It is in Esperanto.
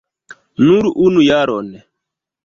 Nur unu jaron!